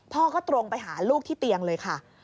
พ่อก็ตรงไปหาลูกที่เตียงเลยค่ะ